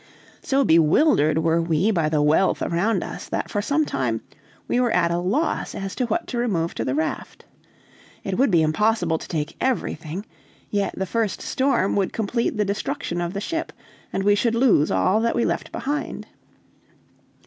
So bewildered were we by the wealth around us that for some time we were at a loss as to what to remove to the raft. It would be impossible to take everything; yet the first storm would complete the destruction of the ship, and we should lose all we left behind.